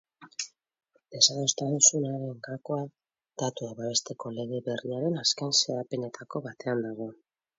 Desadostasunaren gakoa datuak babesteko lege berriaren azken xedapenetako batean dago.